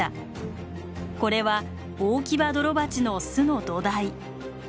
これはオオキバドロバチの巣の土台。